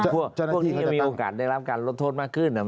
พวกที่จะมีโอกาสได้รับการลดโทษมากขึ้น